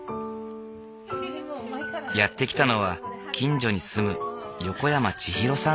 やって来たのは近所に住む横山ちひろさん